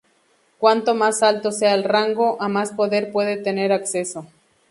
Cuanto más alto sea el rango, a más poder puede tener acceso.